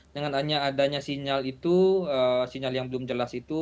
dengan hanya adanya sinyal itu sinyal yang belum jelas itu